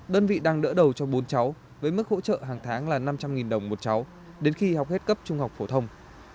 đơn vị đang đỡ đầu cho bốn cháu với mức hỗ trợ hàng tháng là năm trăm linh đồng một cháu đến khi học hết cấp trung học phổ thông